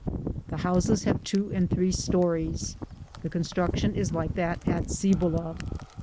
The houses have two and three stories; the construction is like those at Cibola.